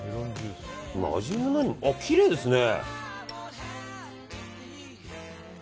きれいですね。